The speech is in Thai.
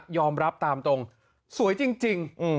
ยอมรับตามตรงสวยจริงจริง